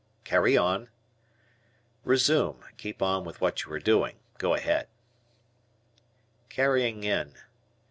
"Carry on." Resume. Keep on with what you are doing. Go ahead. "Carrying in."